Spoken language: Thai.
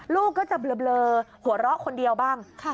ลูกก็จะเบลอหัวเราะคนเดียวบ้าง